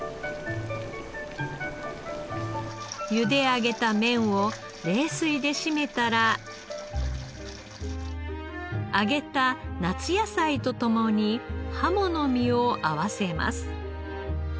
ゆで上げた麺を冷水で締めたら揚げた夏野菜と共にハモの身を合わせます。